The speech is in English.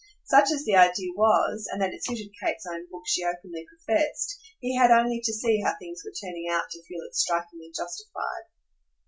Such as the idea was and that it suited Kate's own book she openly professed he had only to see how things were turning out to feel it strikingly justified.